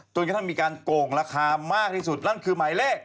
จนกระทั่งมีการโกงราคามากที่สุดนั่นคือหมายเลข